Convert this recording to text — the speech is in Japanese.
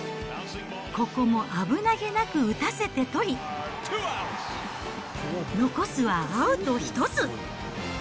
ここも危なげなく打たせて取り、残すはアウト１つ。